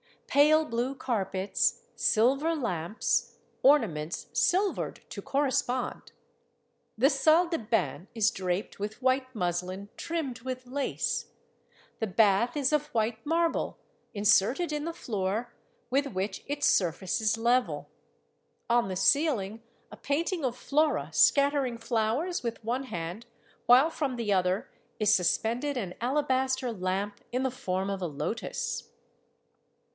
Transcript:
Pale blue carpets, silver lamps, ornaments silvered to corre spond. ... The salle de bain is draped with white muslin trimmed with lace. ... The bath is of white marble, inserted in the floor, with which its surface is level. On the ceiling a painting of Flora scattering flowers with one hand, while from the other is suspended an alabaster lamp in the form of a lotus.